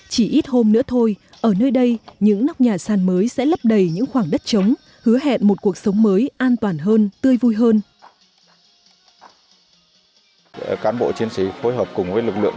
chỉ ít hôm nữa thôi ở nơi đây những nóc nhà sàn mới sẽ lấp đầy những khoảng đất trống hứa hẹn một cuộc sống mới an toàn hơn tươi vui hơn